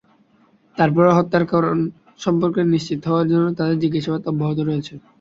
তারপরও হত্যার কারণ সম্পর্কে নিশ্চিত হওয়ার জন্য তাঁদের জিজ্ঞাসাবাদ অব্যাহত রয়েছে।